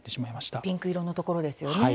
ピンク色のところですよね。